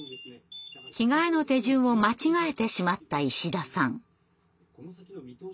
着替えの手順を間違えてしまった石田さん。